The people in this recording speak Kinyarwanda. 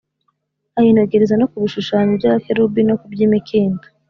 ayinogereza no ku bishushanyo by’abakerubi no ku by’imikindo